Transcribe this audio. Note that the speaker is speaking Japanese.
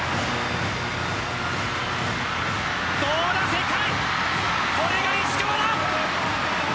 どうだ世界、これが石川。